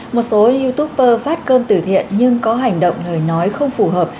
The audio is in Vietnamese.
một số youtuber phát cơm từ thiện nhưng có hành động lời nói không phù hợp